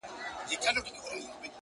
• ورته مخ به د ناورين او جنازو وي ,